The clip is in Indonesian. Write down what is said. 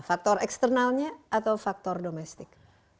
faktor eksternalnya atau faktor domestik